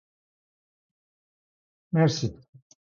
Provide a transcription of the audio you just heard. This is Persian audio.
مرسی